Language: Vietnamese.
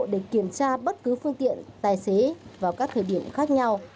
để kiểm tra bất cứ phương tiện tài xế vào các thời điểm khác nhau